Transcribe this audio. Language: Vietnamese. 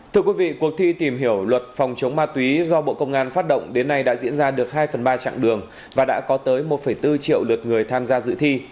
thưa quý vị cuộc thi tìm hiểu luật phòng chống ma túy do bộ công an phát động đến nay đã diễn ra được hai phần ba trạng đường và đã có tới một bốn triệu lượt người tham gia dự thi